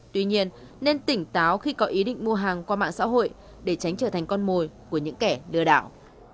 tuy nhiên nên tỉnh táo khi có ý định mua hàng qua mạng xã hội để tránh trở thành con mồi của những kẻ lừa đảo